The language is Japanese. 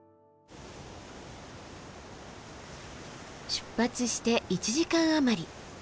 出発して１時間余り。